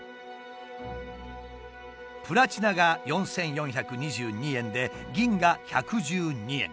プラチナが４，４２２円で銀が１１２円。